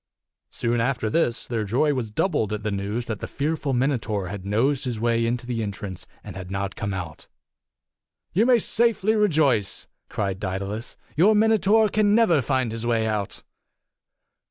Soon after this their joy was doubled at the news that the fearful Minotaur had nosed his way into the entrance and had not come out. "You may safely rejoice," cried Daedalus. "Your Minotaur can never find his way out."